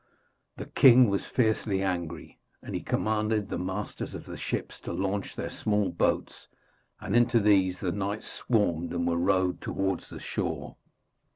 The king was fiercely angry, and he commanded the masters of the ships to launch their small boats, and into these the knights swarmed and were rowed towards the shore.